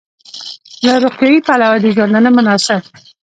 له روغتیايي پلوه د ژوندانه مناسب